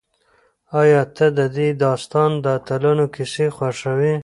ایا ته د دې داستان د اتلانو کیسې خوښوې؟